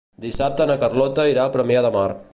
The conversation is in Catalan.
Dissabte na Carlota irà a Premià de Mar.